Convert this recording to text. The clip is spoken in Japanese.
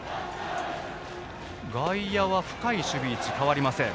外野は深い守備位置、変わりません。